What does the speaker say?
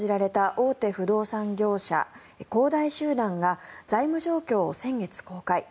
大手不動産業者恒大集団が財務状況を先月、公開。